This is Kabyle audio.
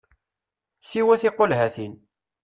Siwa tiqulhatin!